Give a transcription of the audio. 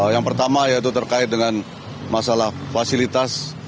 yang pertama yaitu terkait dengan masalah fasilitas